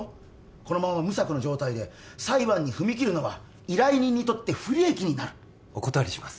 このまま無策の状態で裁判に踏み切るのは依頼人にとって不利益になるお断りします